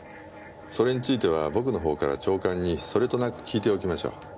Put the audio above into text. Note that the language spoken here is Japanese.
それについては僕のほうから長官にそれとなく聞いておきましょう。